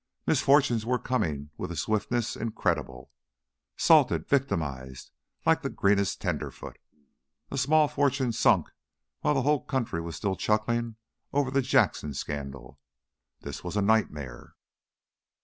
Misfortunes were coming with a swiftness incredible. Salted! Victimized, like the greenest tenderfoot! A small fortune sunk while the whole country was still chuckling over the Jackson scandal! This was a nightmare.